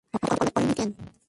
আমাকে কলব্যাক করেননি কেন?